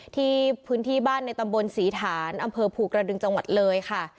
ที่พื้นที่บ้านในตำบลศรีฐานอำเภอภูกระดึงจังหวัดเลยค่ะ